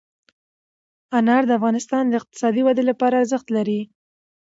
انار د افغانستان د اقتصادي ودې لپاره ارزښت لري.